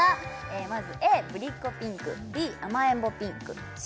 まずＡぶりっこピンクＢあまえんぼピンクＣ